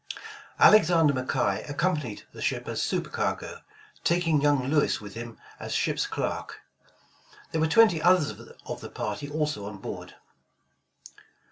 Alexender McKay accompanied the ship as supercargo, taking young Lewis with him as ship's clerk. There were twenty others of the party also on board.